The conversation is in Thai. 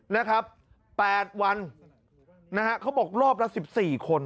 นะครับ๘วันนะฮะเขาบอกรอบละ๑๔คน